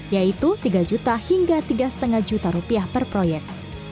yaitu tiga juta hingga tiga lima juta rupiah per proyek